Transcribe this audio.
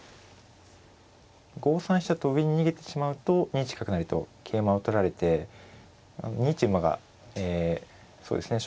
５三飛車と上に逃げてしまうと２一角成と桂馬を取られて２一馬がえそうですね